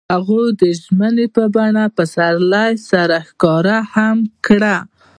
هغوی د ژمنې په بڼه پسرلی سره ښکاره هم کړه.